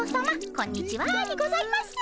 こんにちはにございます。